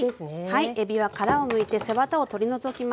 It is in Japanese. はいえびは殻をむいて背ワタを取り除きます。